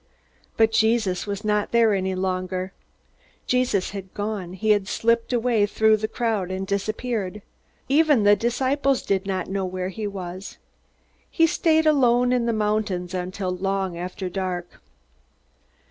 But Jesus was not there any longer. Jesus had gone; he had slipped away through the crowd and disappeared. Even the disciples did not know where he was. He stayed alone in the mountains until long after dark.